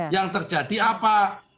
yang terjadi apa